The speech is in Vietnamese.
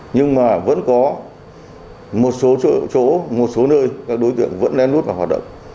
nhưng mà vẫn có một số chỗ một số nơi các đối tượng vẫn lên lút và hoạt động